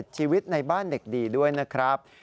ชีวิตในบ้านเด็กดีด้วยนะครับ